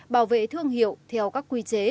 bảo vệ thương hiệu theo các quy chế